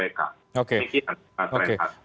demikian terima kasih